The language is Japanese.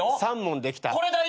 ３問できた。